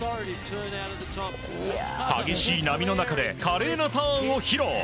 激しい波の中で華麗なターンを披露。